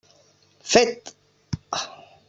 Fet!